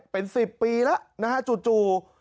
เป็น๑๐ปีแล้วนะฮะจู่